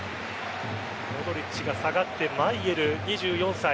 モドリッチが下がってマイェル２４歳。